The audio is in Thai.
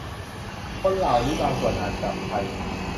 คนเหล่านี้บางส่วนอาจกลับไทย